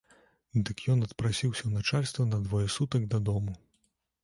Дык ён адпрасіўся ў начальства на двое сутак дадому.